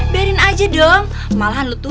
biarin aja dong malahan lu tuh